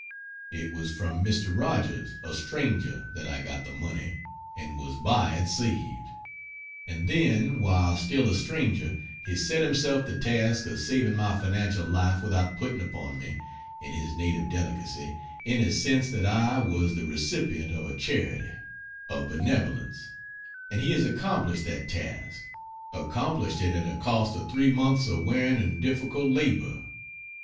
It was from Mr. Rogers, a stranger, that I got the money and was by it saved. And then while still a stranger he set himself the task of saving my financial life without putting upon me (in his native delicacy) any sense that I was the recipient of a charity, a benevolence and he has accomplished that task; accomplished it at a cost of three months of wearing and difficult labor.